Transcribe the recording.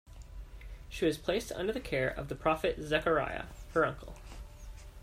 She was placed under the care of the prophet Zechariah, her uncle.